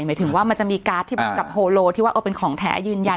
หมายถึงว่ามันจะมีการ์ดที่เหมือนกับโฮโลที่ว่าเป็นของแท้ยืนยัน